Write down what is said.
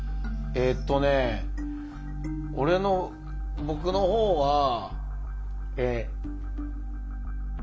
えっとね俺の僕の方は。